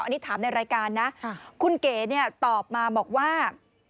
อันนี้ถามในรายการนะคุณเก๋เนี่ยตอบมาบอกว่า